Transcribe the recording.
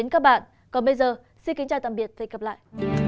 còn bây giờ xin kính chào tạm biệt và hẹn gặp lại